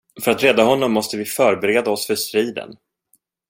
För att rädda honom måste vi förbereda oss för striden.